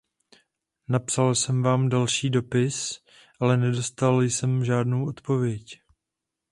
Napsal jsem vám další dopis, ale nedostal jsem žádnou odpověď.